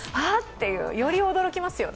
ていう、より驚きますよね。